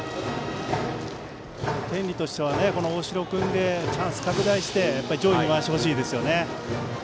天理としては大城君でチャンスを拡大して上位に回してほしいですよね。